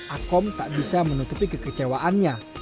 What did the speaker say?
akom tak bisa menutupi kekecewaannya